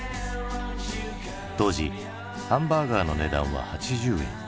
当時ハンバーガーの値段は８０円。